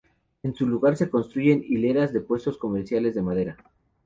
En su lugar se construyeron hileras de puestos comerciales de madera.